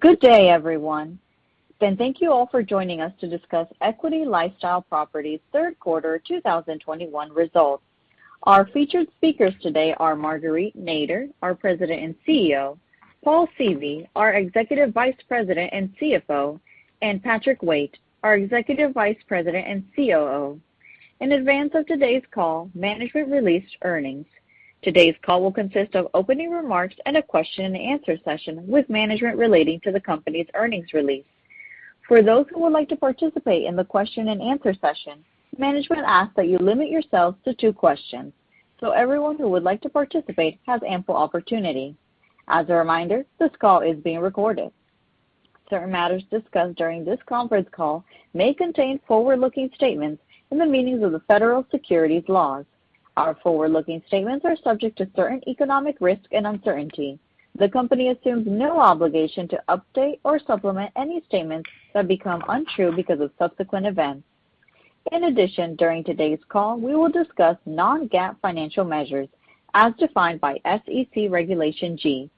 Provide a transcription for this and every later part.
Good day, everyone, and thank you all for joining us to discuss Equity LifeStyle Properties' Third quarter 2021 Results. Our featured speakers today are Marguerite Nader, our President and CEO, Paul Seavey, our Executive Vice President and CFO, and Patrick Waite, our Executive Vice President and COO. In advance of today's call, management released earnings. Today's call will consist of opening remarks and a question-and-answer session with management relating to the company's earnings release. For those who would like to participate in the question-and-answer session, management asks that you limit yourselves to two questions so everyone who would like to participate has ample opportunity. As a reminder, this call is being recorded. Certain matters discussed during this conference call may contain forward-looking statements in the meanings of the federal securities laws. Our forward-looking statements are subject to certain economic risk and uncertainty. The company assumes no obligation to update or supplement any statements that become untrue because of subsequent events. In addition, during today's call, we will discuss non-GAAP financial measures as defined by SEC Regulation G.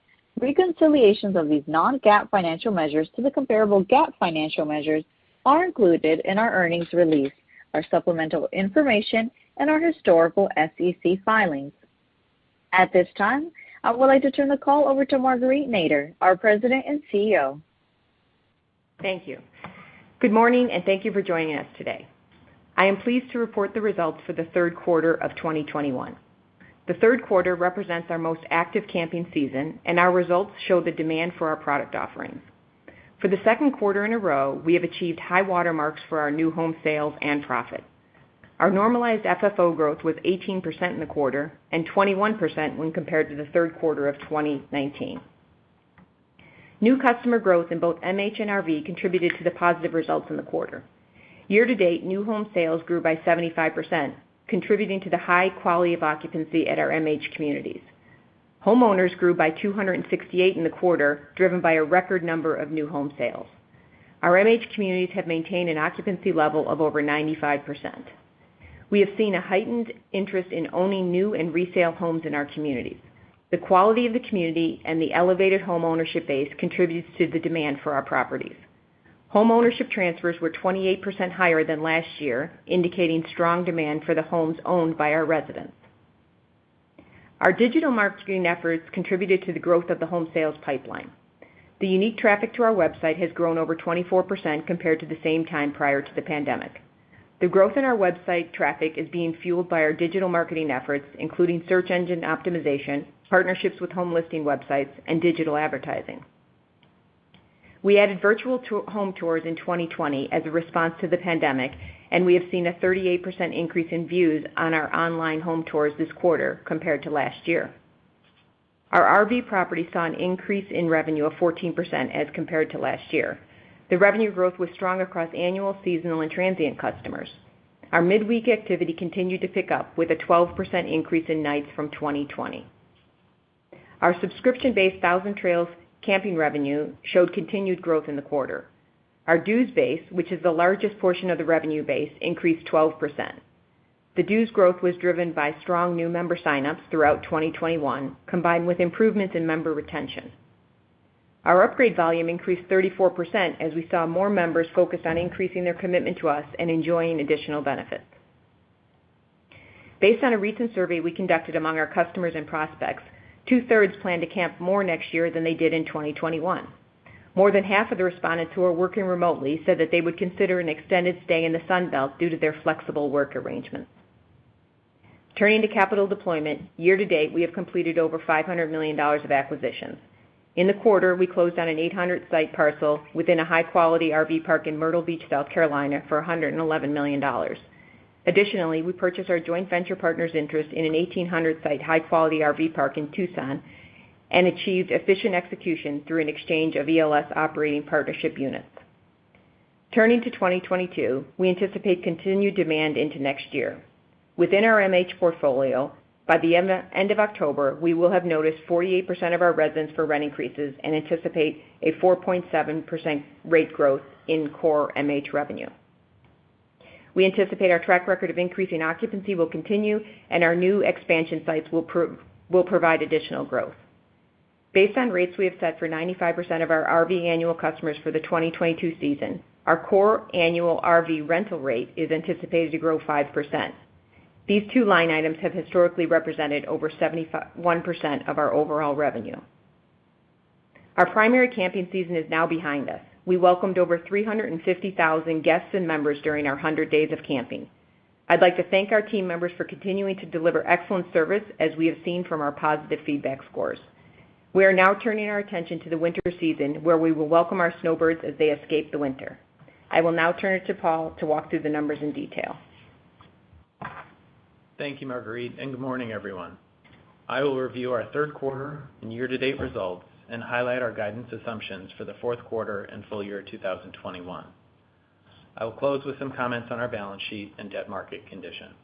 Reconciliations of these non-GAAP financial measures to the comparable GAAP financial measures are included in our earnings release, our supplemental information, and our historical SEC filings. At this time, I would like to turn the call over to Marguerite Nader, our President and CEO. Thank you. Good morning, and thank you for joining us today. I am pleased to report the results for the third quarter of 2021. The third quarter represents our most active camping season, and our results show the demand for our product offerings. For the second quarter in a row, we have achieved high water marks for our new home sales and profit. Our normalized FFO growth was 18% in the quarter, and 21% when compared to the third quarter of 2019. New customer growth in both MH and RV contributed to the positive results in the quarter. year-to-date, new home sales grew by 75%, contributing to the high quality of occupancy at our MH communities. Homeowners grew by 268 in the quarter, driven by a record number of new home sales. Our MH communities have maintained an occupancy level of over 95%. We have seen a heightened interest in owning new and resale homes in our communities. The quality of the community and the elevated home ownership base contributes to the demand for our properties. Home ownership transfers were 28% higher than last year, indicating strong demand for the homes owned by our residents. Our digital marketing efforts contributed to the growth of the home sales pipeline. The unique traffic to our website has grown over 24% compared to the same time prior to the pandemic. The growth in our website traffic is being fueled by our digital marketing efforts, including search engine optimization, partnerships with home listing websites, and digital advertising. We added virtual home tours in 2020 as a response to the pandemic, and we have seen a 38% increase in views on our online home tours this quarter compared to last year. Our RV properties saw an increase in revenue of 14% as compared to last year. The revenue growth was strong across annual, seasonal, and transient customers. Our midweek activity continued to pick up with a 12% increase in nights from 2020. Our subscription-based Thousand Trails camping revenue showed continued growth in the quarter. Our dues base, which is the largest portion of the revenue base, increased 12%. The dues growth was driven by strong new member sign-ups throughout 2021, combined with improvements in member retention. Our upgrade volume increased 34% as we saw more members focused on increasing their commitment to us and enjoying additional benefits. Based on a recent survey we conducted among our customers and prospects, 2/3 plan to camp more next year than they did in 2021. More than half of the respondents who are working remotely said that they would consider an extended stay in the Sun Belt due to their flexible work arrangements. Turning to capital deployment, year-to-date, we have completed over $500 million of acquisitions. In the quarter, we closed on an 800-site parcel within a high-quality RV park in Myrtle Beach, South Carolina, for $111 million. Additionally, we purchased our joint venture partner's interest in an 1,800-site high-quality RV park in Tucson and achieved efficient execution through an exchange of ELS operating partnership units. Turning to 2022, we anticipate continued demand into next year. Within our MH portfolio, by the end of October, we will have noticed 48% of our residents for rent increases and anticipate a 4.7% rate growth in core MH revenue. We anticipate our track record of increasing occupancy will continue, and our new expansion sites will provide additional growth. Based on rates we have set for 95% of our RV annual customers for the 2022 season, our core annual RV rental rate is anticipated to grow 5%. These two line items have historically represented over 71% of our overall revenue. Our primary camping season is now behind us. We welcomed over 350,000 guests and members during our 100 days of camping. I'd like to thank our team members for continuing to deliver excellent service as we have seen from our positive feedback scores. We are now turning our attention to the winter season, where we will welcome our snowbirds as they escape the winter. I will now turn it to Paul to walk through the numbers in detail. Thank you, Marguerite, and good morning, everyone. I will review our third quarter and year-to-date results and highlight our guidance assumptions for the fourth quarter and full year 2021. I will close with some comments on our balance sheet and debt market condition.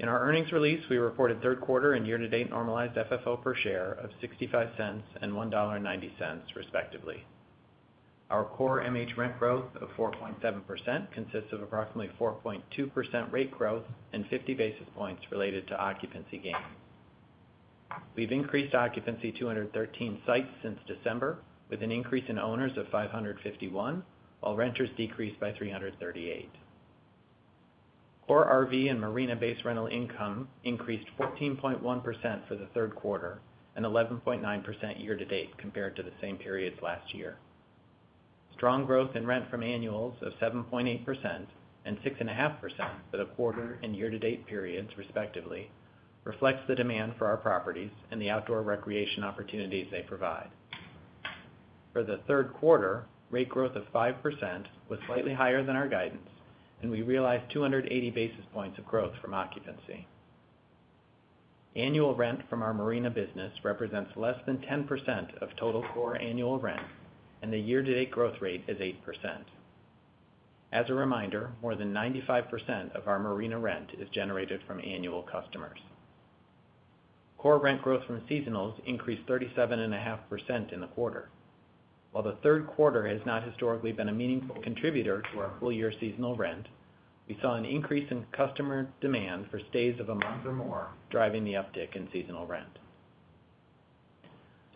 In our earnings release, we reported third quarter and year-to-date normalized FFO per share of $0.65 and $1.90, respectively. Our core MH rent growth of 4.7% consists of approximately 4.2% rate growth and 50 basis points related to occupancy gain. We've increased occupancy 213 sites since December, with an increase in owners of 551, while renters decreased by 338. Core RV and marina base rental income increased 14.1% for the third quarter and 11.9% year-to-date compared to the same periods last year. Strong growth in rent from annuals of 7.8% and 6.5% for the quarter and year-to-date periods respectively, reflects the demand for our properties and the outdoor recreation opportunities they provide. For the third quarter, rate growth of 5% was slightly higher than our guidance, and we realized 280 basis points of growth from occupancy. Annual rent from our marina business represents less than 10% of total core annual rent, and the year-to-date growth rate is 8%. As a reminder, more than 95% of our marina rent is generated from annual customers. Core rent growth from seasonals increased 37.5% in the quarter. While the third quarter has not historically been a meaningful contributor to our full-year seasonal rent, we saw an increase in customer demand for stays of one month or more, driving the uptick in seasonal rent.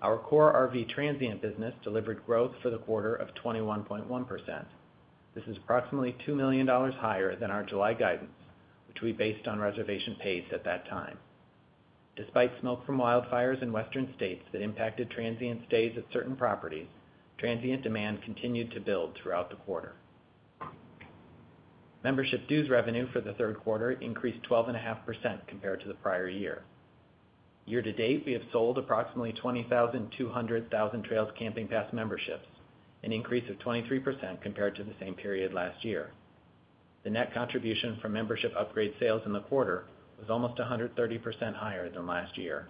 Our core RV transient business delivered growth for the quarter of 21.1%. This is approximately $2 million higher than our July guidance, which we based on reservation pace at that time. Despite smoke from wildfires in Western states that impacted transient stays at certain properties, transient demand continued to build throughout the quarter. Membership dues revenue for the third quarter increased 12.5% compared to the prior year. year-to-date, we have sold approximately 20,200 Thousand Trails camping pass memberships, an increase of 23% compared to the same period last year. The net contribution from membership upgrade sales in the quarter was almost 130% higher than last year.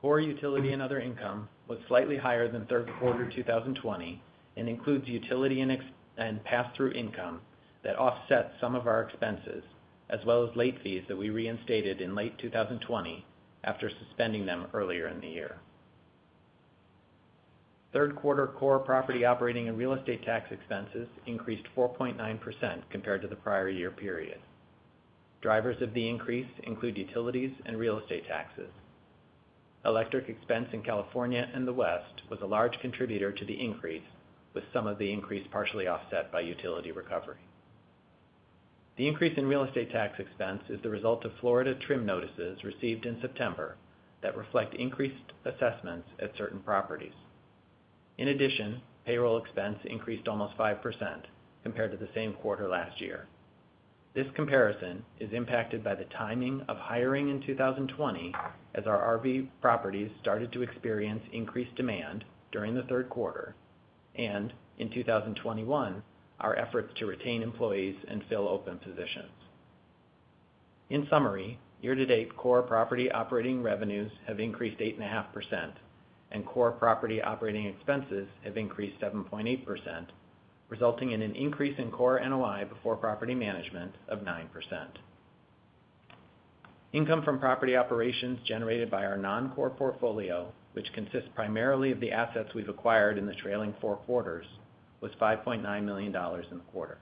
Core utility and other income was slightly higher than third quarter 2020 and includes utility and pass-through income that offset some of our expenses, as well as late fees that we reinstated in late 2020 after suspending them earlier in the year. Third quarter core property operating and real estate tax expenses increased 4.9% compared to the prior year period. Drivers of the increase include utilities and real estate taxes. Electric expense in California and the West was a large contributor to the increase, with some of the increase partially offset by utility recovery. The increase in real estate tax expense is the result of Florida TRIM notices received in September that reflect increased assessments at certain properties. In addition, payroll expense increased almost 5% compared to the same quarter last year. This comparison is impacted by the timing of hiring in 2020 as our RV properties started to experience increased demand during the third quarter, and in 2021, our efforts to retain employees and fill open positions. In summary, year-to-date, core property operating revenues have increased 8.5% and core property operating expenses have increased 7.8%, resulting in an increase in core NOI before property management of 9%. Income from property operations generated by our non-core portfolio, which consists primarily of the assets we've acquired in the trailing four quarters, was $5.9 million in the quarter.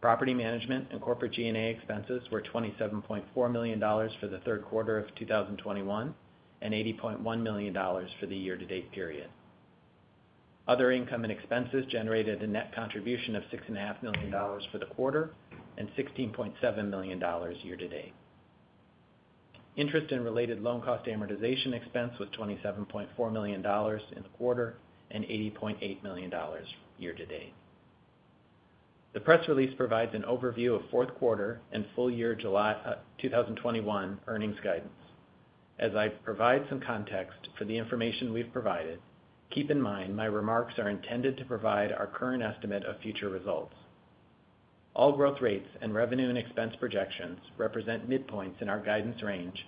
Property management and corporate G&A expenses were $27.4 million for the third quarter of 2021 and $80.1 million for the year-to-date period. Other income and expenses generated a net contribution of $6.5 million for the quarter and $16.7 million year-to-date. Interest and related loan cost amortization expense was $27.4 million in the quarter and $80.8 million year-to-date. The press release provides an overview of fourth quarter and full year July 2021 earnings guidance. As I provide some context for the information we've provided, keep in mind my remarks are intended to provide our current estimate of future results. All growth rates and revenue and expense projections represent midpoints in our guidance range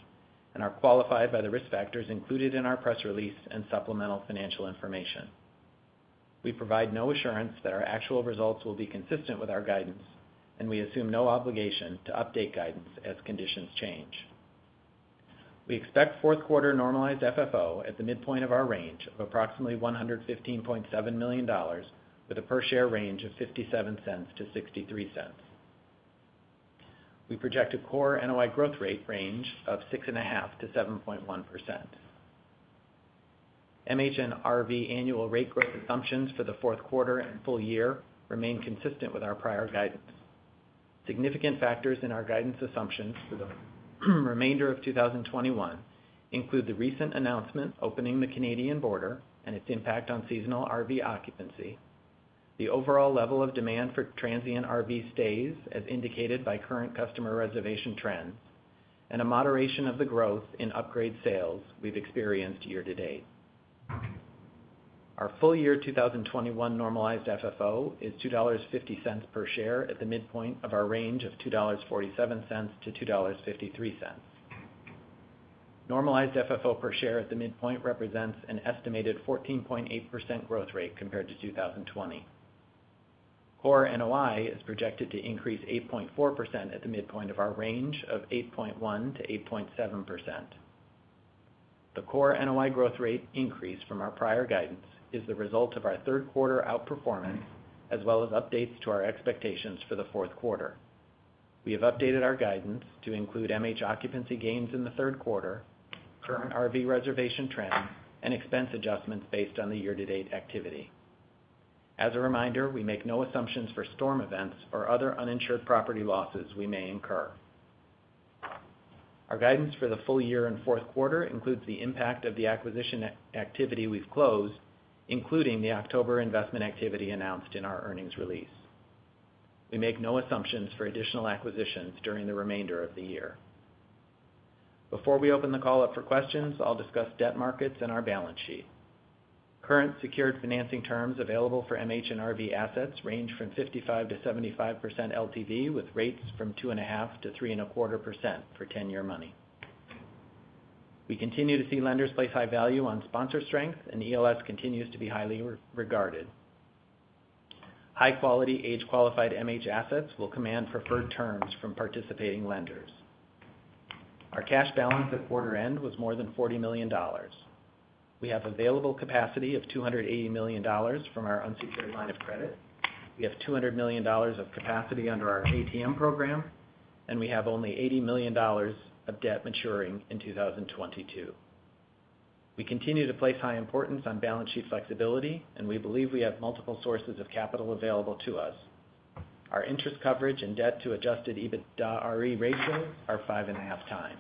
and are qualified by the risk factors included in our press release and supplemental financial information. We provide no assurance that our actual results will be consistent with our guidance, and we assume no obligation to update guidance as conditions change. We expect fourth quarter normalized FFO at the midpoint of our range of approximately $115.7 million, with a per share range of $0.57-$0.63. We project a core NOI growth rate range of 6.5%-7.1%. MH and RV annual rate growth assumptions for the fourth quarter and full year remain consistent with our prior guidance. Significant factors in our guidance assumptions for the remainder of 2021 include the recent announcement opening the Canadian border and its impact on seasonal RV occupancy, the overall level of demand for transient RV stays, as indicated by current customer reservation trends, and a moderation of the growth in upgrade sales we've experienced year-to-date. Our full year 2021 normalized FFO is $2.50 per share at the midpoint of our range of $2.47-$2.53. Normalized FFO per share at the midpoint represents an estimated 14.8% growth rate compared to 2020. Core NOI is projected to increase 8.4% at the midpoint of our range of 8.1%-8.7%. The core NOI growth rate increase from our prior guidance is the result of our third quarter outperformance, as well as updates to our expectations for the fourth quarter. We have updated our guidance to include MH occupancy gains in the third quarter, current RV reservation trends, and expense adjustments based on the year-to-date activity. As a reminder, we make no assumptions for storm events or other uninsured property losses we may incur. Our guidance for the full year and fourth quarter includes the impact of the acquisition activity we've closed, including the October investment activity announced in our earnings release. We make no assumptions for additional acquisitions during the remainder of the year. Before we open the call up for questions, I'll discuss debt markets and our balance sheet. Current secured financing terms available for MH and RV assets range from 55%-75% LTV, with rates from 2.5%-3.25% for 10-year money. We continue to see lenders place high value on sponsor strength, and ELS continues to be highly regarded. High-quality, age-qualified MH assets will command preferred terms from participating lenders. Our cash balance at quarter end was more than $40 million. We have available capacity of $280 million from our unsecured line of credit, we have $200 million of capacity under our ATM program, and we have only $80 million of debt maturing in 2022. We continue to place high importance on balance sheet flexibility, and we believe we have multiple sources of capital available to us. Our interest coverage and debt to adjusted EBITDAre ratios are 5.5x.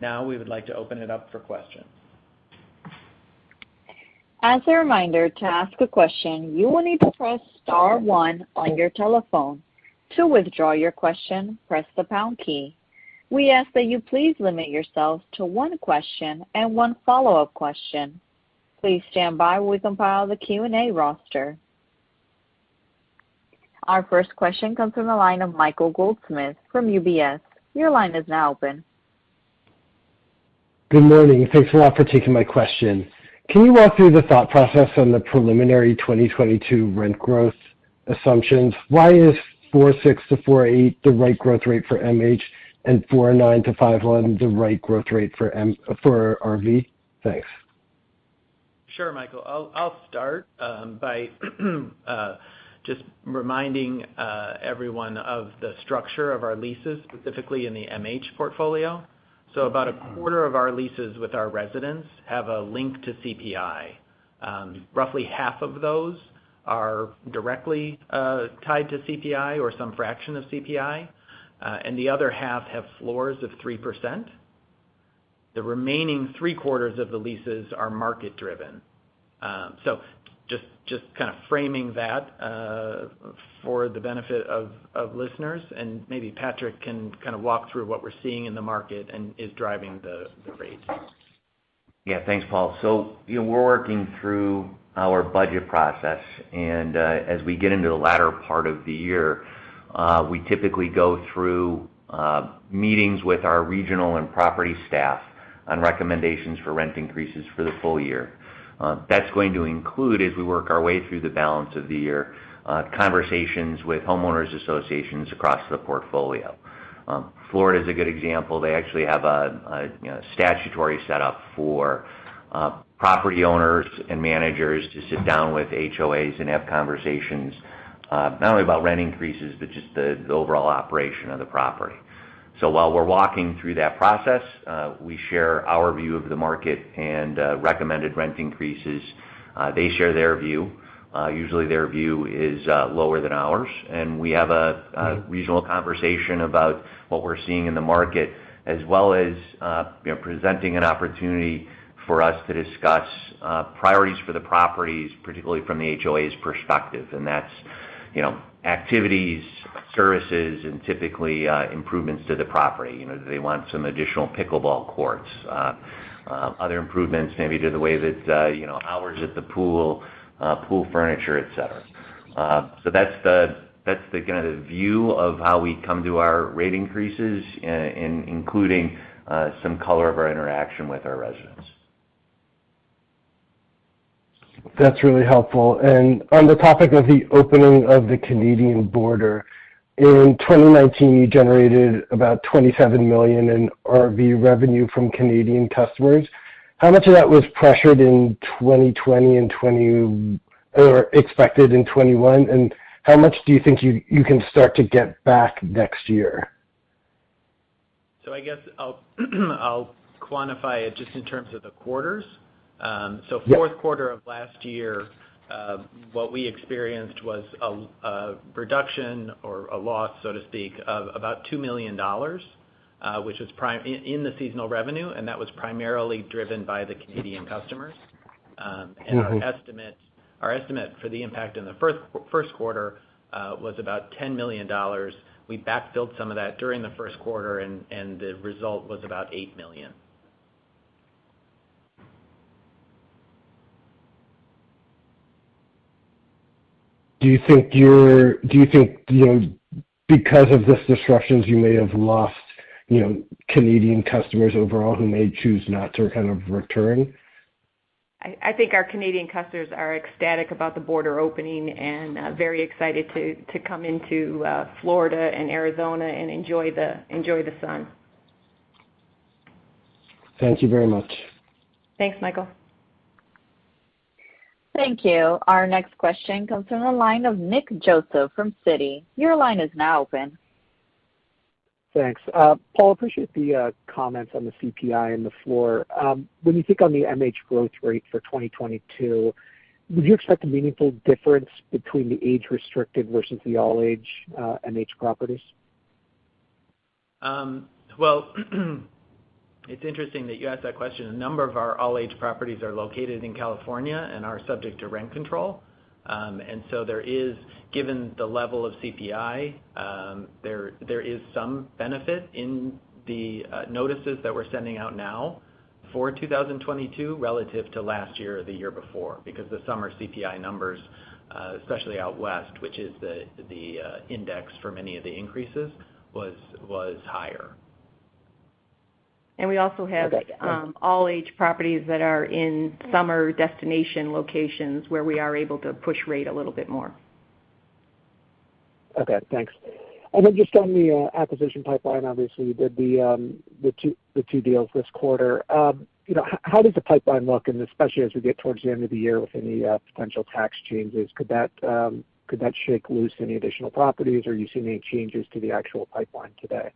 Now we would like to open it up for questions. As a reminder, to ask a question, you will need to press star one on your telephone. To withdraw your question, press the pound key. We ask that you please limit yourselves to one question and one follow-up question. Please stand by while we compile the Q&A roster. Our first question comes from the line of Michael Goldsmith from UBS. Your line is now open. Good morning. Thanks a lot for taking my question. Can you walk through the thought process on the preliminary 2022 rent growth assumptions? Why is 4.6%-4.8% the right growth rate for MH, and 4.9%-5.1% the right growth rate for RV? Thanks. Sure, Michael. I'll start by just reminding everyone of the structure of our leases, specifically in the MH portfolio. About a quarter of our leases with our residents have a link to CPI. Roughly half of those are directly tied to CPI or some fraction of CPI. The other half have floors of 3%. The remaining three quarters of the leases are market driven. Just kind of framing that for the benefit of listeners, and maybe Patrick can kind of walk through what we're seeing in the market and is driving the rates. Yeah. Thanks, Paul. We're working through our budget process, and as we get into the latter part of the year, we typically go through meetings with our regional and property staff on recommendations for rent increases for the full year. That's going to include, as we work our way through the balance of the year, conversations with homeowners associations across the portfolio. Florida's a good example. They actually have a statutory set up for property owners and managers to sit down with HOAs and have conversations, not only about rent increases, but just the overall operation of the property. While we're walking through that process, we share our view of the market and recommended rent increases. They share their view. Usually, their view is lower than ours, and we have a regional conversation about what we're seeing in the market, as well as presenting an opportunity for us to discuss priorities for the properties, particularly from the HOA perspective. That's activities, services, and typically improvements to the property. Do they want some additional pickleball courts? Other improvements may be to the way that hours at the pool furniture, etc. That's the kind of view of how we come to our rate increases, including some color of our interaction with our residents. That's really helpful. On the topic of the opening of the Canadian border, in 2019, you generated about $27 million in RV revenue from Canadian customers. How much of that was pressured in 2020 or expected in 2021? And how much do you think you can start to get back next year? I guess I'll quantify it just in terms of the quarters. Yeah. Fourth quarter of last year, what we experienced was a reduction or a loss, so to speak, of about $2 million, which was in the seasonal revenue, and that was primarily driven by the Canadian customers. Our estimate for the impact in the first quarter was about $10 million. We back filled some of that during the first quarter, and the result was about $8 million. Do you think because of these disruptions you may have lost Canadian customers overall who may choose not to kind of return? I think our Canadian customers are ecstatic about the border opening and very excited to come into Florida and Arizona and enjoy the sun. Thank you very much. Thanks, Michael. Thank you. Our next question comes from the line of Nick Joseph from Citi. Your line is now open. Thanks. Paul, appreciate the comments on the CPI and the floor. When you think on the MH growth rate for 2022, would you expect a meaningful difference between the age-restricted versus the all-age MH properties? Well, it's interesting that you ask that question. A number of our all-age properties are located in California and are subject to rent control. Given the level of CPI, there is some benefit in the notices that we're sending out now for 2022 relative to last year or the year before, because the summer CPI numbers, especially out West, which is the index for many of the increases, was higher. We also have all-age properties that are in summer destination locations where we are able to push rate a little bit more. Okay, thanks. Then just on the acquisition pipeline, obviously, the two deals this quarter. How does the pipeline look, and especially as we get towards the end of the year with any potential tax changes, could that shake loose any additional properties? Are you seeing any changes to the actual pipeline today?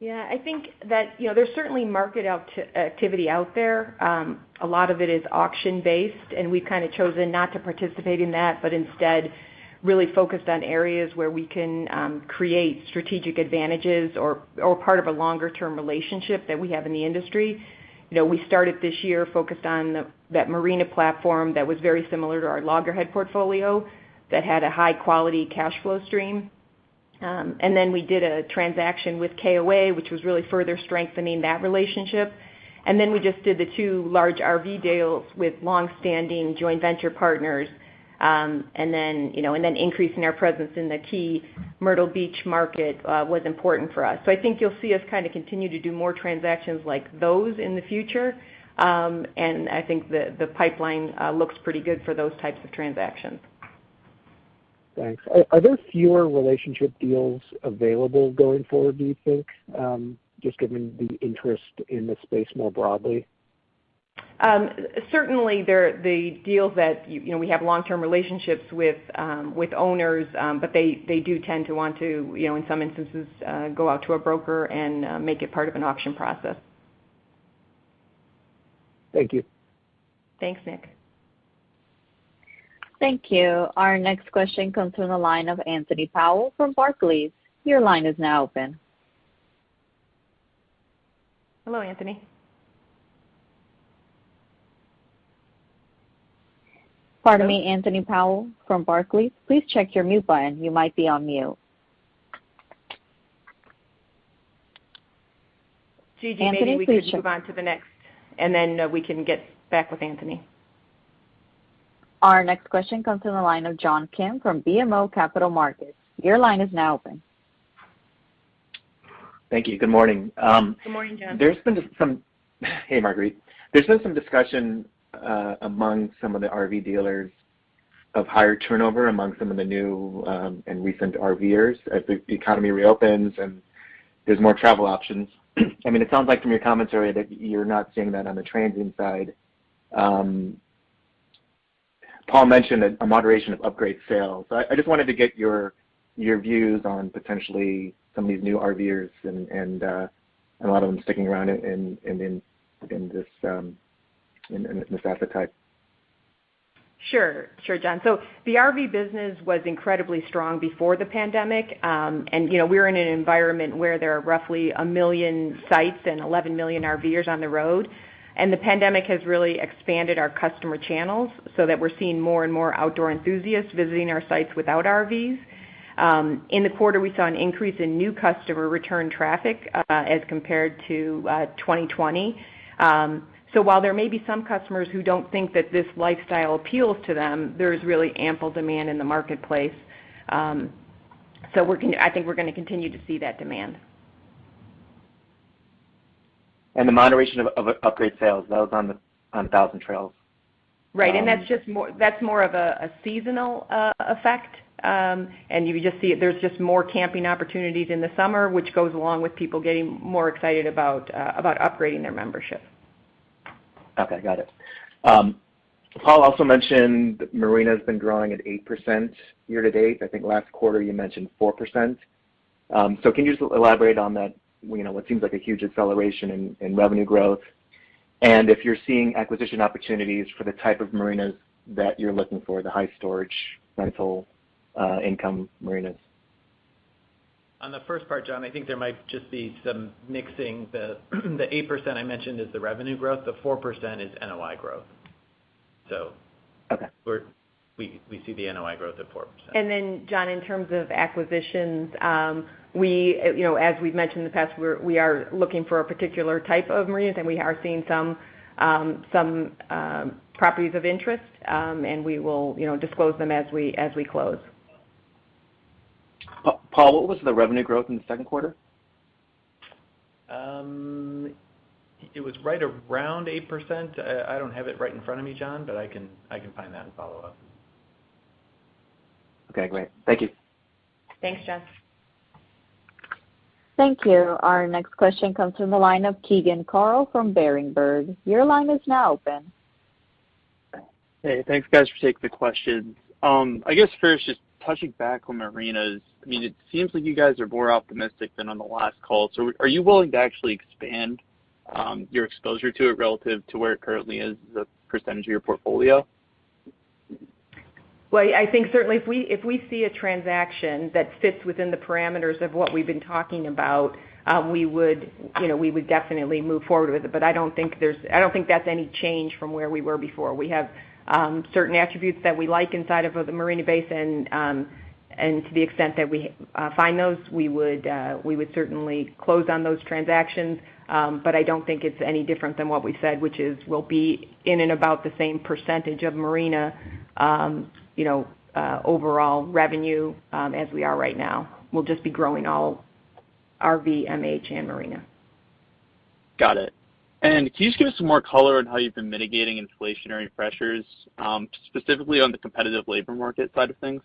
Yeah, I think that there's certainly market activity out there. A lot of it is auction-based, we've kind of chosen not to participate in that, but instead really focused on areas where we can create strategic advantages or part of a longer-term relationship that we have in the industry. We started this year focused on that marina platform that was very similar to our Loggerhead portfolio, that had a high-quality cash flow stream. We did a transaction with KOA, which was really further strengthening that relationship. We just did the two large RV deals with longstanding joint venture partners. Increasing our presence in the key Myrtle Beach market was important for us. I think you'll see us kind of continue to do more transactions like those in the future. I think the pipeline looks pretty good for those types of transactions. Thanks. Are there fewer relationship deals available going forward, do you think? Just given the interest in the space more broadly. Certainly, the deals that we have long-term relationships with owners, but they do tend to want to, in some instances, go out to a broker and make it part of an auction process. Thank you. Thanks, Nick. Thank you. Our next question comes from the line of Anthony Powell from Barclays. Your line is now open. Hello, Anthony. Pardon me, Anthony Powell from Barclays. Please check your mute button. You might be on mute. Anthony, please- Gigi, maybe we could move on to the next, and then we can get back with Anthony. Our next question comes from the line of John Kim from BMO Capital Markets. Your line is now open. Thank you. Good morning. Good morning, John. Hey, Marguerite. There's been some discussion among some of the RV dealers of higher turnover among some of the new and recent RVers as the economy reopens and there's more travel options. It sounds like from your commentary that you're not seeing that on the transient side. Paul mentioned a moderation of upgrade sales. I just wanted to get your views on potentially some of these new RVers and a lot of them sticking around in this asset type. Sure, John. The RV business was incredibly strong before the pandemic. We're in an environment where there are roughly 1 million sites and 11 million RVers on the road. The pandemic has really expanded our customer channels, so that we're seeing more and more outdoor enthusiasts visiting our sites without RVs. In the quarter, we saw an increase in new customer return traffic as compared to 2020. While there may be some customers who don't think that this lifestyle appeals to them, there is really ample demand in the marketplace. I think we're going to continue to see that demand. The moderation of upgrade sales, that was on Thousand Trails. Right. That's more of a seasonal effect. There's just more camping opportunities in the summer, which goes along with people getting more excited about upgrading their membership. Okay, got it. Paul also mentioned marinas been growing at 8% year-to-date. I think last quarter you mentioned 4%. Can you just elaborate on that? What seems like a huge acceleration in revenue growth, and if you're seeing acquisition opportunities for the type of marinas that you're looking for, the high storage rental income marinas? On the first part, John, I think there might just be some mixing. The 8% I mentioned is the revenue growth. The 4% is NOI growth. Okay. We see the NOI growth at 4%. John, in terms of acquisitions, as we've mentioned in the past, we are looking for a particular type of marinas, and we are seeing some properties of interest, and we will disclose them as we close. Paul, what was the revenue growth in the second quarter? It was right around 8%. I don't have it right in front of me, John, but I can find that and follow up. Okay, great. Thank you. Thanks, John. Thank you. Our next question comes from the line of Keegan Carl from Berenberg. Your line is now open. Hey, thanks guys for taking the questions. I guess first, just touching back on marinas. It seems like you guys are more optimistic than on the last call. Are you willing to actually expand your exposure to it relative to where it currently is as a percentage of your portfolio? Well, I think certainly if we see a transaction that fits within the parameters of what we've been talking about, we would definitely move forward with it. I don't think that's any change from where we were before. We have certain attributes that we like inside of the marina base, and to the extent that we find those, we would certainly close on those transactions. I don't think it's any different than what we said, which is we'll be in and about the same percentage of marina overall revenue, as we are right now. We'll just be growing all RV, MH, and marina. Got it. Can you just give us some more color on how you've been mitigating inflationary pressures, specifically on the competitive labor market side of things?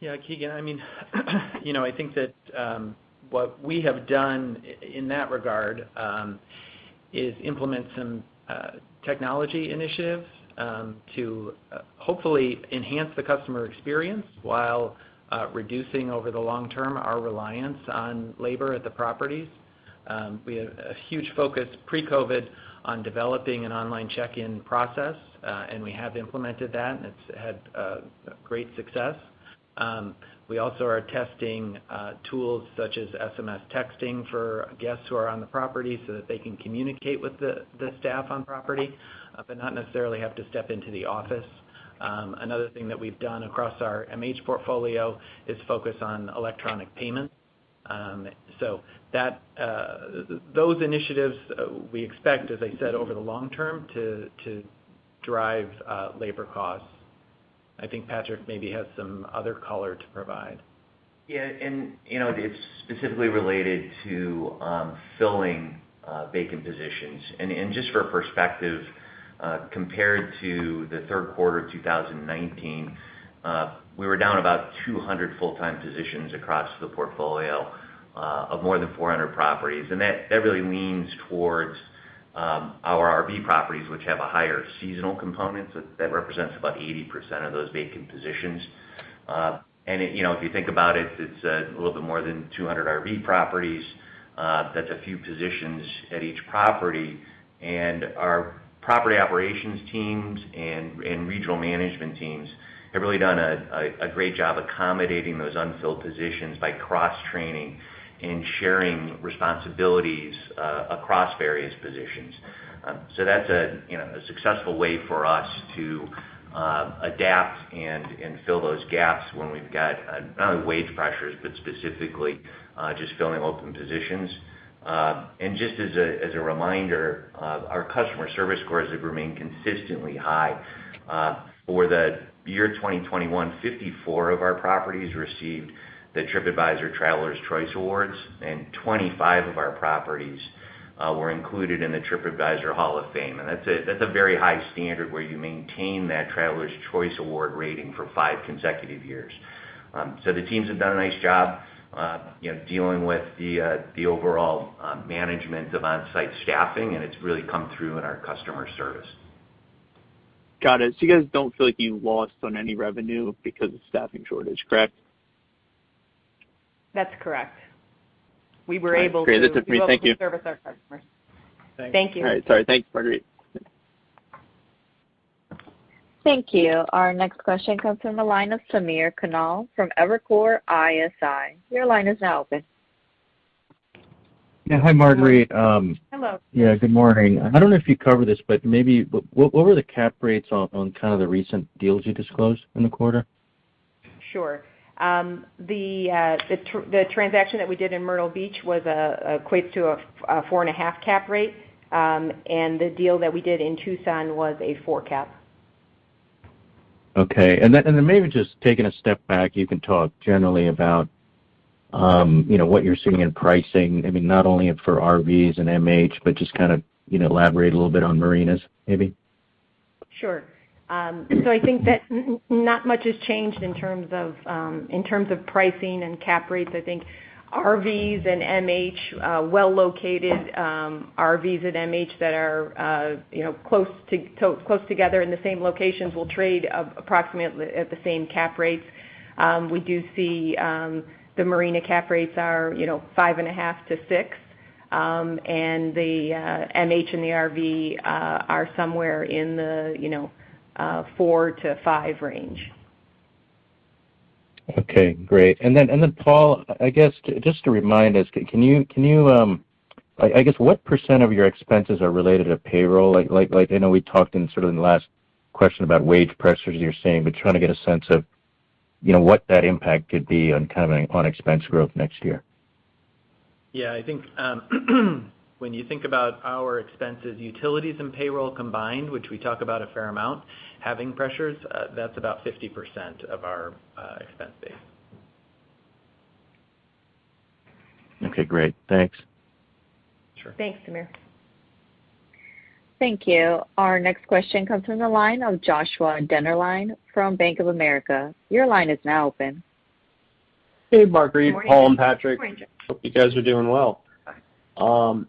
Yeah, Keegan, I think that what we have done, in that regard, is implement some technology initiatives, to hopefully enhance the customer experience while reducing, over the long term, our reliance on labor at the properties. We had a huge focus pre-COVID on developing an online check-in process, and we have implemented that, and it's had great success. We also are testing tools such as SMS texting for guests who are on the property so that they can communicate with the staff on property, but not necessarily have to step into the office. Another thing that we've done across our MH portfolio is focus on electronic payments. Those initiatives, we expect, as I said, over the long term, to drive labor costs. I think Patrick maybe has some other color to provide. Yeah. It's specifically related to filling vacant positions. Just for perspective, compared to the third quarter of 2019, we were down about 200 full-time positions across the portfolio, of more than 400 properties. That really leans towards our RV properties, which have a higher seasonal component. That represents about 80% of those vacant positions. If you think about it's a little bit more than 200 RV properties. That's a few positions at each property. Our property operations teams and regional management teams have really done a great job accommodating those unfilled positions by cross-training and sharing responsibilities across various positions. That's a successful way for us to adapt and fill those gaps when we've got not only wage pressures, but specifically, just filling open positions. Just as a reminder, our customer service scores have remained consistently high. For the year 2021, 54 of our properties received the TripAdvisor Travelers' Choice Awards, and 25 of our properties were included in the TripAdvisor Hall of Fame. That's a very high standard where you maintain that Travelers' Choice Award rating for five consecutive years. The teams have done a nice job dealing with the overall management of on-site staffing, and it's really come through in our customer service. Got it. You guys don't feel like you lost on any revenue because of staffing shortage, correct? That's correct. We were able. Great. That's it for me. Thank you. to well service our customers. Thanks. Thank you. All right. Sorry. Thanks, Marguerite. Thank you. Our next question comes from the line of Samir Khanal from Evercore ISI. Your line is now open. Yeah. Hi, Marguerite. Hello. Good morning. I don't know if you covered this, but maybe what were the cap rates on kind of the recent deals you disclosed in the quarter? Sure. The transaction that we did in Myrtle Beach equates to a 4.5 cap rate. The deal that we did in Tucson was a 4 cap. Okay, maybe just taking a step back, you can talk generally about what you're seeing in pricing, not only for RVs and MH, but just kind of elaborate a little bit on marinas maybe. Sure. I think that not much has changed in terms of pricing and cap rates. I think RVs and MH, well-located RVs and MH that are close together in the same locations will trade approximately at the same cap rates. We do see the marina cap rates are 5.5-6. The MH and the RV are somewhere in the 4-5 range. Okay, great. Paul, I guess, just to remind us, I guess, what percent of your expenses are related to payroll? I know we talked in sort of in the last question about wage pressures, you were saying, but trying to get a sense of what that impact could be on kind of on expense growth next year. Yeah, I think when you think about our expenses, utilities and payroll combined, which we talk about a fair amount, having pressures, that's about 50% of our expense base. Okay, great. Thanks. Sure. Thanks, Samir. Thank you. Our next question comes from the line of Joshua Dennerlein from Bank of America. Your line is now open. Hey, Marguerite, Paul, and Patrick. Morning, Josh. Hope you guys are doing well. We're fine.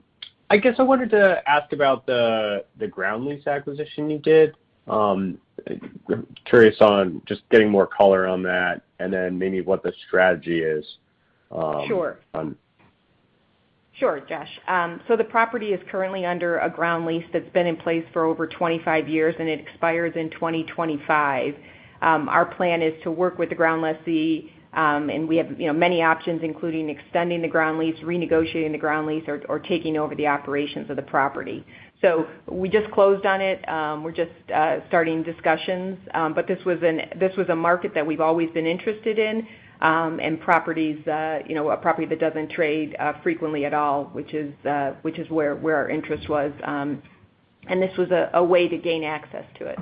I guess I wanted to ask about the ground lease acquisition you did. I'm curious on just getting more color on that and then maybe what the strategy is. Sure. Sure, Josh. The property is currently under a ground lease that's been in place for over 25 years, and it expires in 2025. Our plan is to work with the ground lessee, and we have many options, including extending the ground lease, renegotiating the ground lease, or taking over the operations of the property. We just closed on it. We're just starting discussions, but this was a market that we've always been interested in, and a property that doesn't trade frequently at all, which is where our interest was. This was a way to gain access to it.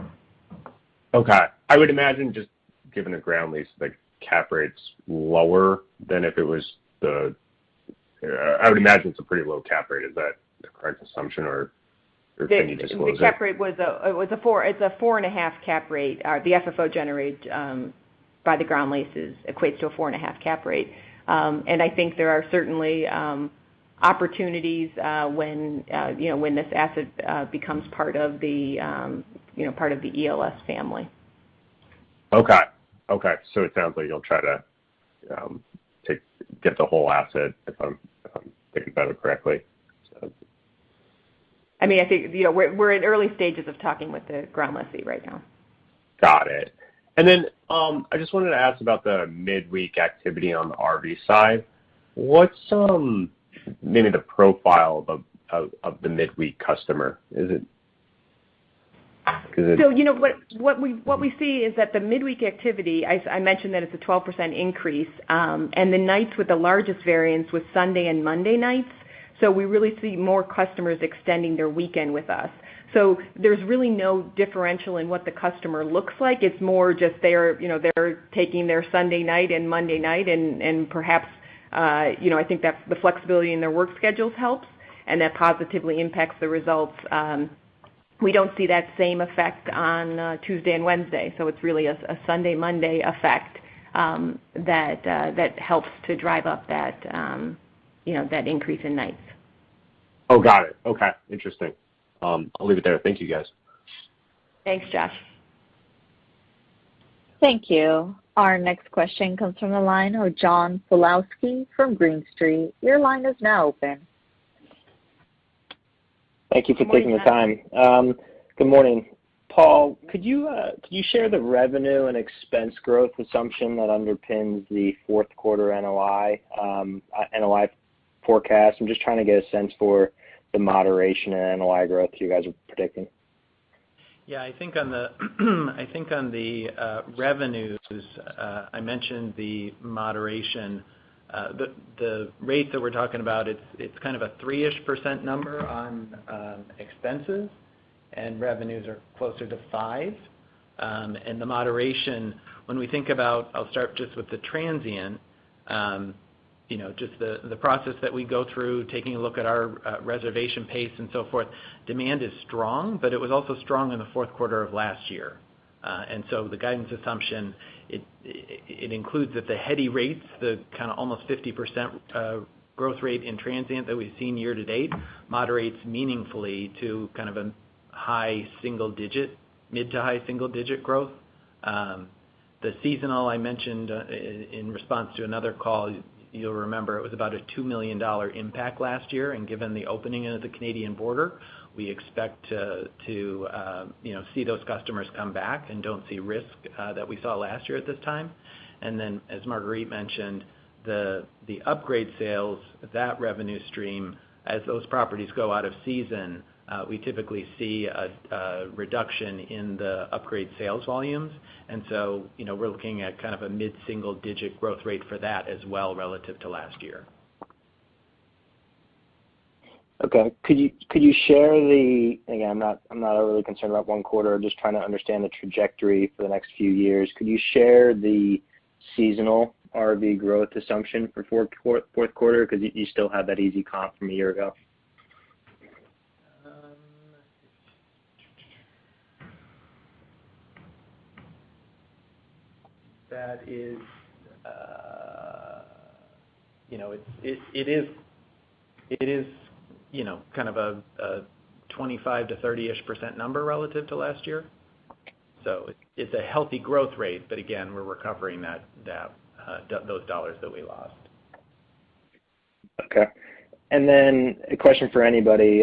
Okay. I would imagine just given a ground lease, the cap rate's lower than if it was. I would imagine it's a pretty low cap rate. Is that the correct assumption, or can you disclose it? The cap rate, it's a 4.5 cap rate. The FFO generated by the ground leases equates to a 4.5 cap rate. I think there are certainly opportunities when this asset becomes part of the ELS family. Okay. It sounds like you'll try to get the whole asset if I'm thinking about it correctly. I think we're in early stages of talking with the ground lessee right now. Got it. I just wanted to ask about the midweek activity on the RV side. What's maybe the profile of the midweek customer? Is it? What we see is that the midweek activity, I mentioned that it's a 12% increase, and the nights with the largest variance was Sunday and Monday nights. We really see more customers extending their weekend with us. There's really no differential in what the customer looks like. It's more just they're taking their Sunday night and Monday night and perhaps, I think that the flexibility in their work schedules helps, and that positively impacts the results. We don't see that same effect on Tuesday and Wednesday, so it's really a Sunday-Monday effect that helps to drive up that increase in nights. Oh, got it. Okay. Interesting. I'll leave it there. Thank you, guys. Thanks, Josh. Thank you. Our next question comes from the line of John Pawlowski from Green Street. Your line is now open. Thank you for taking the time. Morning, John. Good morning. Paul, could you share the revenue and expense growth assumption that underpins the fourth quarter NOI forecast? I'm just trying to get a sense for the moderation in NOI growth you guys are predicting. Yeah, I think on the revenues, I mentioned the moderation. The rate that we're talking about, it's kind of a three-ish percent number on expenses, and revenues are closer to 5%. The moderation, when we think about, I'll start just with the transient, the process that we go through, taking a look at our reservation pace and so forth. Demand is strong, but it was also strong in the fourth quarter of last year. The guidance assumption, it includes that the heady rates, the kind of almost 50% growth rate in transient that we've seen year-to-date, moderates meaningfully to kind of a mid- to high-single-digit growth. The seasonal I mentioned in response to another call, you'll remember, it was about a $2 million impact last year. Given the opening of the Canadian border, we expect to see those customers come back and don't see risk that we saw last year at this time. Then, as Marguerite mentioned, the upgrade sales, that revenue stream, as those properties go out of season, we typically see a reduction in the upgrade sales volumes. So, we're looking at kind of a mid-single-digit growth rate for that as well relative to last year. Okay. Could you share the, again, I'm not really concerned about one quarter, I'm just trying to understand the trajectory for the next few years. Could you share the seasonal RV growth assumption for fourth quarter, because you still have that easy comp from a year ago? It is kind of a 25-30ish percent number relative to last year. It's a healthy growth rate, but again, we're recovering those dollars that we lost. Okay. A question for anybody.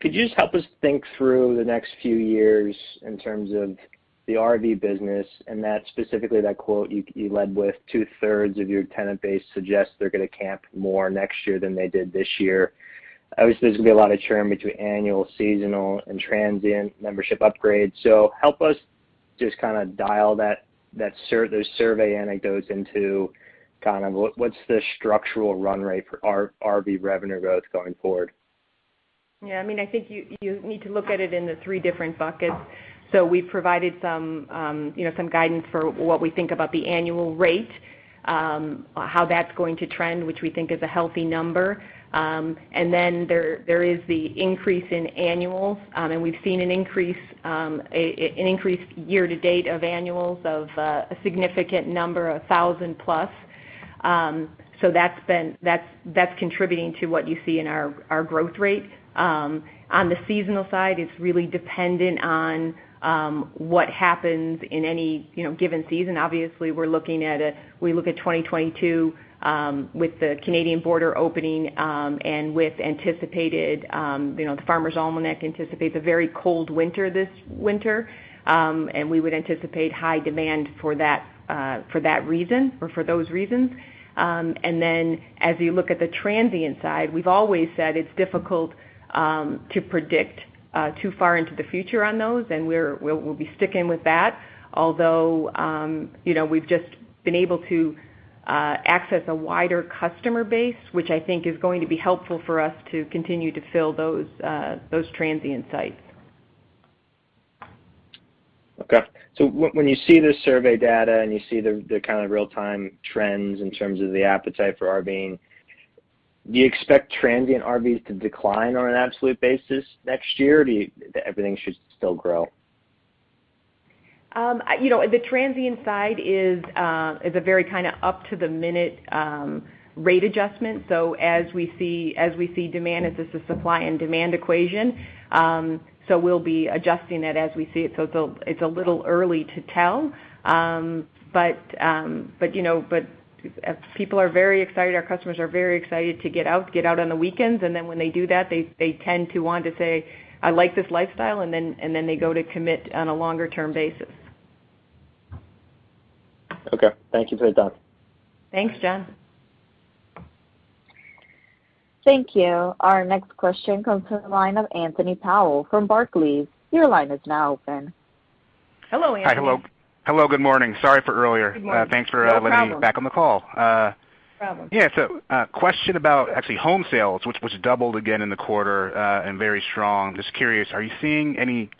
Could you just help us think through the next few years in terms of the RV business and specifically that quote you led with, two-thirds of your tenant base suggests they're going to camp more next year than they did this year. Obviously, there's going to be a lot of churn between annual, seasonal, and transient membership upgrades. help us just kind of dial those survey anecdotes into what's the structural run rate for RV revenue growth going forward? I think you need to look at it in the three different buckets. We've provided some guidance for what we think about the annual rate, how that's going to trend, which we think is a healthy number. There is the increase in annuals. We've seen an increase year-to-date of annuals of a significant number, 1,000+. That is contributing to what you see in our growth rate. On the seasonal side, it's really dependent on what happens in any given season. Obviously, we look at 2022, with the Canadian border opening, and The Old Farmer's Almanac anticipates a very cold winter this winter. We would anticipate high demand for those reasons. As you look at the transient side, we've always said it's difficult to predict too far into the future on those, and we'll be sticking with that. Although, we've just been able to access a wider customer base, which I think is going to be helpful for us to continue to fill those transient sites. Okay. When you see the survey data and you see the kind of real-time trends in terms of the appetite for RVing, do you expect transient RVs to decline on an absolute basis next year? Or everything should still grow? The transient side is a very kind of up-to-the-minute rate adjustment. As we see demand, this is a supply and demand equation. We'll be adjusting it as we see it. It's a little early to tell. People are very excited, our customers are very excited to get out on the weekends. When they do that, they tend to want to say, "I like this lifestyle," and then they go to commit on a longer-term basis. Okay. Thank you for the time. Thanks, John. Thank you. Our next question comes from the line of Anthony Powell from Barclays. Your line is now open. Hello, Anthony. Hi. Hello. Good morning. Sorry for earlier. Good morning. Thanks for letting me. No problem. back on the call. No problem. Yeah. A question about actually home sales, which doubled again in the quarter, and very strong. Just curious, are you seeing any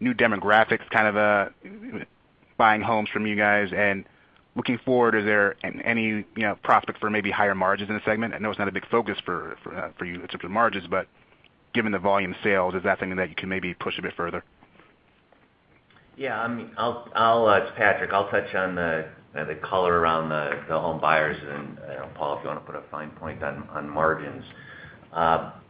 new demographics kind of buying homes from you guys? Looking forward, are there any prospects for maybe higher margins in the segment? I know it's not a big focus for you in terms of margins, but given the volume sales, is that something that you can maybe push a bit further? Yeah. It's Patrick. I'll touch on the color around the home buyers, and Paul, if you want to put a fine point on margins.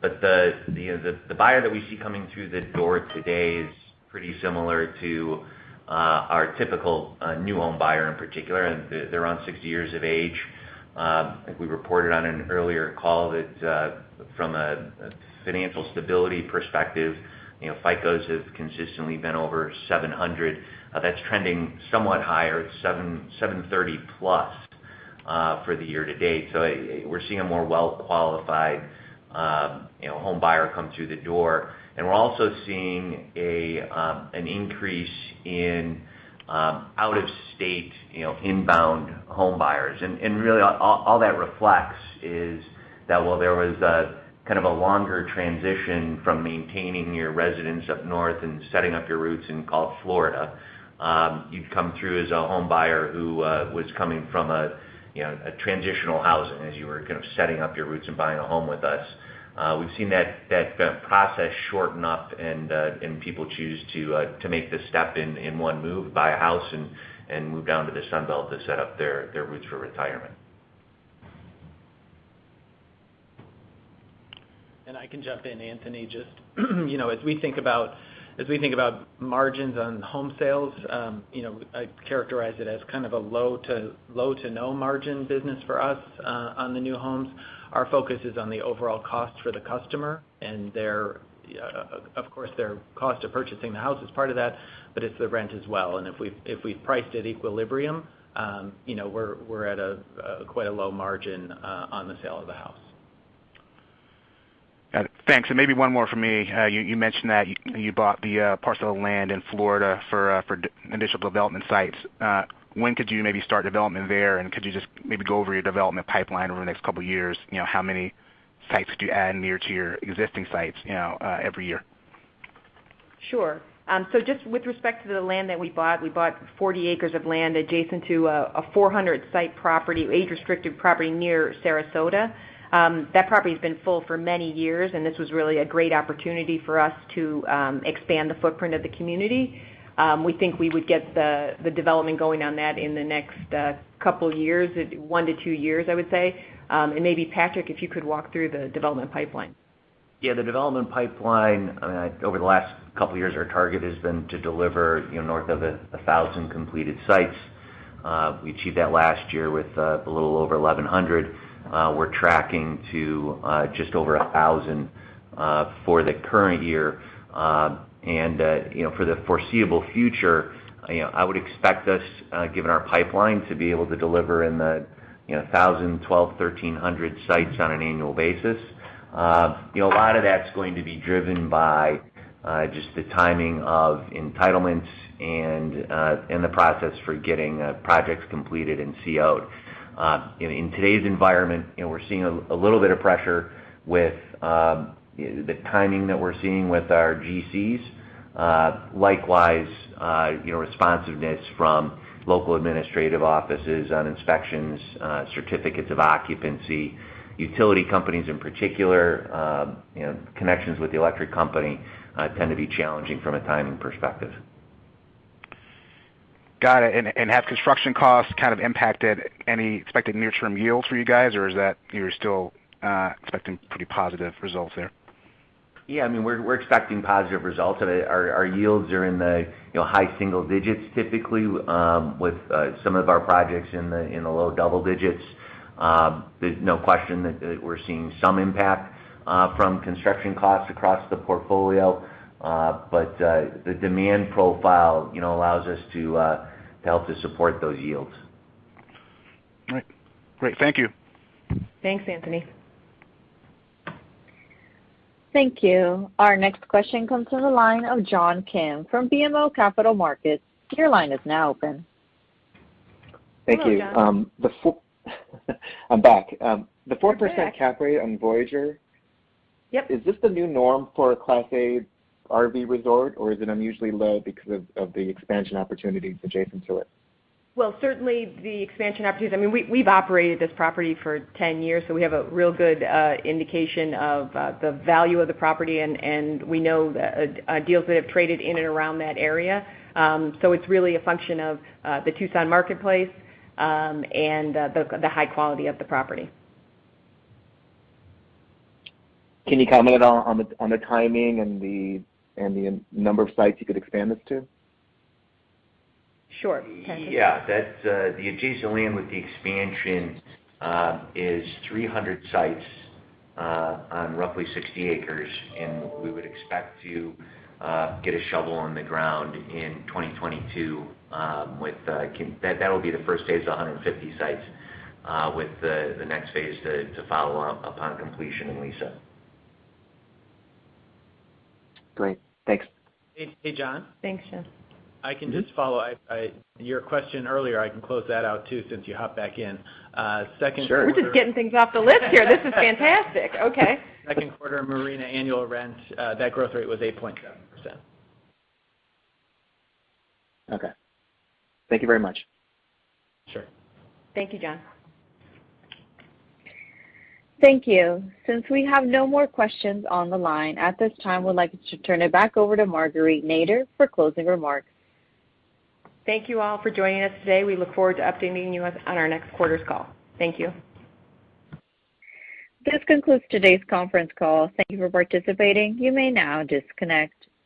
The buyer that we see coming through the door today is pretty similar to our typical new home buyer in particular. They're around 60 years of age. I think we reported on an earlier call that from a financial stability perspective, FICOs have consistently been over 700. That's trending somewhat higher at 730+ for the year-to-date. We're seeing a more well-qualified home buyer come through the door. We're also seeing an increase in out-of-state inbound home buyers. Really, all that reflects is that while there was kind of a longer transition from maintaining your residence up north and setting up your roots in Gulf Florida, you'd come through as a home buyer who was coming from a transitional housing as you were kind of setting up your roots and buying a home with us. We've seen that process shorten up, and people choose to make the step in one move, buy a house, and move down to the Sun Belt to set up their roots for retirement. I can jump in, Anthony. As we think about margins on home sales, I'd characterize it as kind of a low to no margin business for us on the new homes. Our focus is on the overall cost for the customer, and, of course, their cost of purchasing the house is part of that, but it's the rent as well. If we've priced at equilibrium, we're at quite a low margin on the sale of the house. Got it. Thanks. Maybe one more from me. You mentioned that you bought the parcel of land in Florida for additional development sites. When could you maybe start development there? Could you just maybe go over your development pipeline over the next couple of years, how many sites do you add near to your existing sites every year? Sure. Just with respect to the land that we bought, we bought 40 acres of land adjacent to a 400-site property, age-restricted property near Sarasota. That property's been full for many years, this was really a great opportunity for us to expand the footprint of the community. We think we would get the development going on that in the next couple of years, one to two years, I would say. Maybe Patrick, if you could walk through the development pipeline. Yeah, the development pipeline over the last couple of years, our target has been to deliver north of 1,000 completed sites. We achieved that last year with a little over 1,100. We're tracking to just over 1,000 for the current year. For the foreseeable future, I would expect us, given our pipeline, to be able to deliver in the 1,000, 1,200, 1,300 sites on an annual basis. A lot of that's going to be driven just by the timing of entitlements and the process for getting projects completed and CO'd. In today's environment, we're seeing a little bit of pressure with the timing that we're seeing with our GCs. Likewise, responsiveness from local administrative offices on inspections, certificates of occupancy, utility companies in particular, connections with the electric company tend to be challenging from a timing perspective. Got it. Have construction costs kind of impacted any expected near-term yields for you guys, or you're still expecting pretty positive results there? Yeah, we're expecting positive results. Our yields are in the high-single digits, typically, with some of our projects in the low double digits. There's no question that we're seeing some impact from construction costs across the portfolio. The demand profile allows us to help to support those yields. All right. Great. Thank you. Thanks, Anthony. Thank you. Our next question comes from the line of John Kim from BMO Capital Markets. Your line is now open. Thank you. Hello, John. I'm back. You're back. The 4% cap rate on Voyager RV Resort. Yep. Is this the new norm for a Class A RV resort, or is it unusually low because of the expansion opportunities adjacent to it? Well, certainly the expansion opportunities. We've operated this property for 10 years, we have a real good indication of the value of the property, and we know deals that have traded in and around that area. It's really a function of the Tucson marketplace, and the high quality of the property. Can you comment at all on the timing and the number of sites you could expand this to? Sure. Patrick? Yeah. That's the adjacent land with the expansion is 300 sites on roughly 60 acres, and we would expect to get a shovel on the ground in 2022. That will be the first phase of 150 sites, with the next phase to follow up upon completion in lease-up. Great. Thanks. Hey, John? Thanks, John. I can just follow. Your question earlier, I can close that out too, since you hopped back in. Sure. We're just getting things off the list here. This is fantastic. Okay. Second quarter marina annual rent, that growth rate was 8.7%. Okay. Thank you very much. Sure. Thank you, John. Thank you. Since we have no more questions on the line, at this time, we'd like to turn it back over to Marguerite Nader for closing remarks. Thank you all for joining us today. We look forward to updating you on our next quarter's call. Thank you. This concludes today's conference call. Thank you for participating. You may now disconnect.